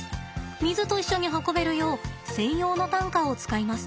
水と一緒に運べるよう専用の担架を使います。